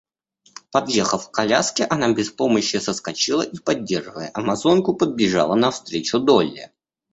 Подъехав к коляске, она без помощи соскочила и, поддерживая амазонку, подбежала навстречу Долли.